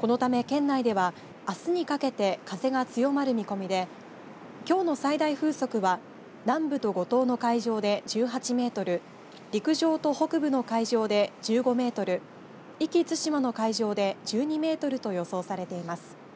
このため県内ではあすにかけて風が強まる見込みできょうの最大風速は南部と五島の海上で１８メートル、陸上と北部の海上で１５メートル、壱岐・対馬の海上で１２メートルと予想されています。